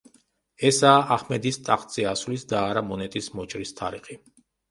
ესაა აჰმედის ტახტზე ასვლის და არა მონეტის მოჭრის თარიღი.